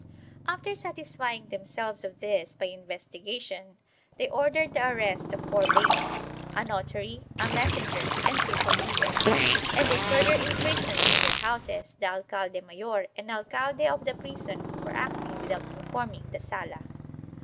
After satisfying themselves of this by investigation, they ordered the arrest of four laymen — a notary, a messenger and two familiars — and they further imprisoned in their houses the alcalde mayor and alcaide of the prison for acting without informing the Sala.